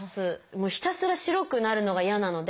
もうひたすら白くなるのが嫌なので。